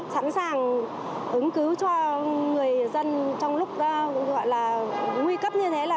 sẵn sàng ứng cứu cho người dân trong lúc gọi là nguy cấp như thế là